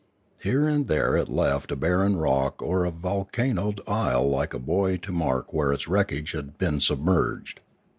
Here and there it left a barren rock or a vol canoed isle like a buoy to mark where its wreckage had been submerged.